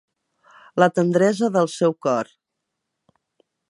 La tendresa del seu cor.